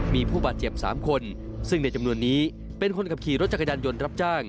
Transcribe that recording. มีผู้บาดเจ็บ๓คนซึ่งในจำนวนนี้เป็นคนขับขี่รถจักรยานยนต์รับจ้าง